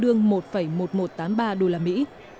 đương một một nghìn một trăm tám mươi ba đô la mỹ